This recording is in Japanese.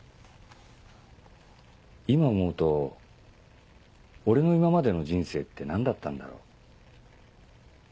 今思うと俺の今までの人生って何だったんだろう。